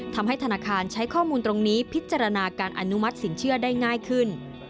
ทำให้ธนาคารใช้ข้อมูลตรงนี้พิจารณาการอนุมัติสินเชื่อได้ง่ายขึ้น